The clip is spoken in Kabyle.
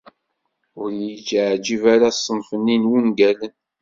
Ur yi-yeεǧib ara ṣṣenf-nni n wungalen.